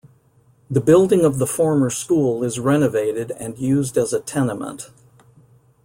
The building of the former school is renovated and used as a tenement.